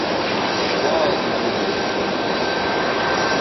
ژایَنی مِہر